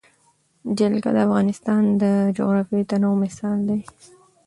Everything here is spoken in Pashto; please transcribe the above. جلګه د افغانستان د جغرافیوي تنوع مثال دی.